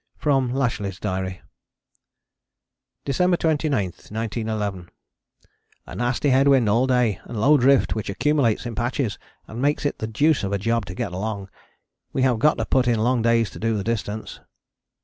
From Lashly's Diary December 29, 1911. A nasty head wind all day and low drift which accumulates in patches and makes it the deuce of a job to get along. We have got to put in long days to do the distance.